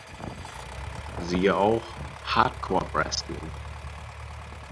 Siehe auch: Hardcore-Wrestling